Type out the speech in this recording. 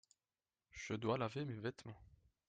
Je dois laver mes vêtements.